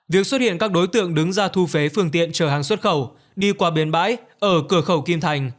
việc xuất hiện các đối tượng đứng ra thu phế phương tiện chở hàng xuất khẩu đi qua bến bãi ở cửa khẩu kim thành